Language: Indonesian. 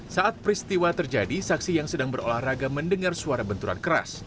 saat peristiwa terjadi saksi yang sedang berolahraga mendengar suara benturan keras